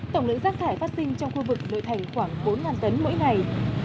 tổng lượng rác thải phát sinh trong khu vực nội thành khoảng bốn tấn mỗi ngày